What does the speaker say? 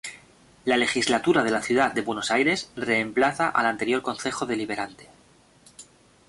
La Legislatura de la Ciudad de Buenos Aires reemplaza al anterior Concejo Deliberante.